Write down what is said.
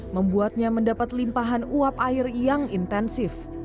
membuatnya mendapat limpahan uap air yang intensif